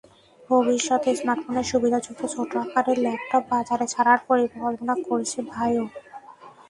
ভবিষ্যতে স্মার্টফোনের সুবিধাযুক্ত ছোট আকারের ল্যাপটপ বাজারে ছাড়ার পরিকল্পনা করছে ভায়ো।